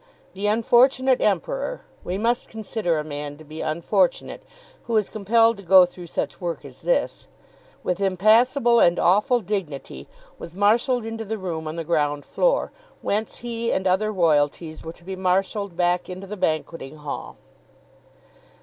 The unfortunate Emperor, we must consider a man to be unfortunate who is compelled to go through such work as this, with impassible and awful dignity, was marshalled into the room on the ground floor, whence he and other royalties were to be marshalled back into the banqueting hall.